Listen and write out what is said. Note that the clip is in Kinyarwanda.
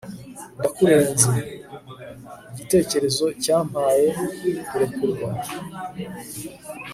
ndakurenze ... igitekerezo cyampaye kurekurwa